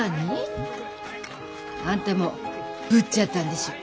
うん？あんたもぶっちゃったんでしょ？